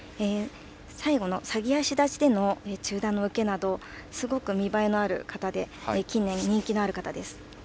最後の鷺足立ちでの中段の受けなどすごく見栄えのある形で近年、人気のある形です。